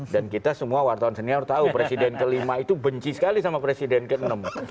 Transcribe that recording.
dan kita semua wartawan senior tahu presiden ke lima itu benci sekali sama presiden ke enam